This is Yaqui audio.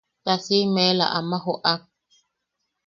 Ta siʼime eela ama joʼak.